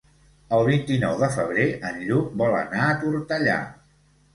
El vint-i-nou de febrer en Lluc vol anar a Tortellà.